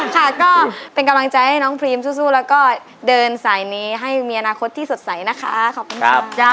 ค่ะก็เป็นกำลังใจให้น้องพรีมสู้แล้วก็เดินสายนี้ให้มีอนาคตที่สดใสนะคะขอบคุณครับ